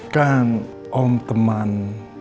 kan om teman